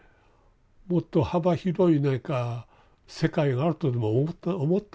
もっと幅広い何か世界があるとでも思ったんでしょうか。